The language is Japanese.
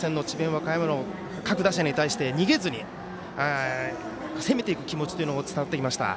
和歌山の各打者に対して逃げずに、攻めていく気持ちが伝わってきました。